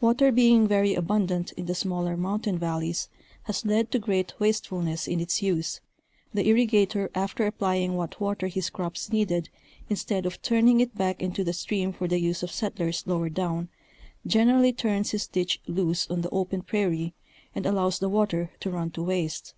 Water being very abundant in the smaller mountain valleys has led to great wastefulness in its use, the irrigator after applying what water his crops needed, instead of turning it back into the stream for the use of settlers lower down, generally turns his ditch loose on the open prairie and allows the water to run to waste.